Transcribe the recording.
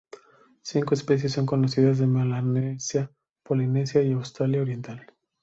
Cinco especies son conocidas de Melanesia, Polinesia y Australia oriental.